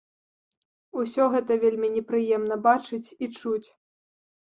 Усё гэта вельмі непрыемна бачыць і чуць.